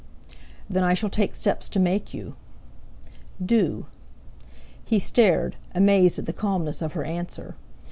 "Then, I shall take steps to make you." "Do!" He stared, amazed at the calmness of her answer.